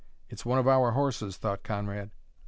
"It's one of our horses," thought Conrad.